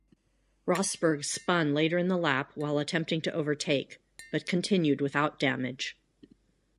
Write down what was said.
Rosberg spun later in the lap while attempting to overtake, but continued without damage.